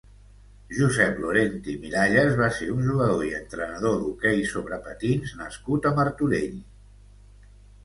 Josep Lorente i Miralles va ser un jugador i entrenador d'hoquei sobre patins nascut a Martorell.